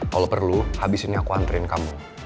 kalo perlu habisinnya aku anterin kamu